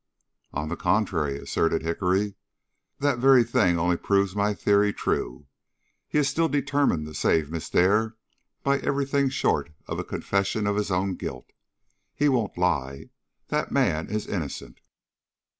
"On the contrary," asserted Hickory, "that very thing only proves my theory true. He is still determined to save Miss Dare by every thing short of a confession of his own guilt. He won't lie. That man is innocent."